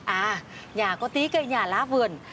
à nhà có tí cây nhà lá vườn